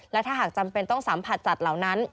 และถ้าหากจำเป็นต้องสัมผัสสัตว์เหล่านั้น